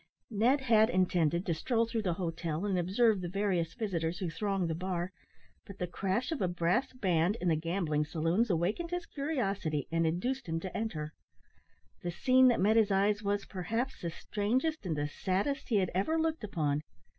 Ned had intended to stroll through the hotel and observe the various visitors who thronged the bar, but the crash of a brass band in the gambling saloons awakened his curiosity, and induced him to enter. The scene that met his eyes was, perhaps, the strangest and the saddest he had ever looked upon.